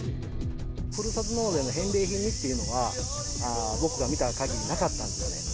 ふるさと納税の返礼品っていうのは、僕が見たかぎりなかったんですね。